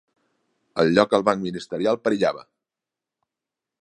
El lloc al banc ministerial perillava.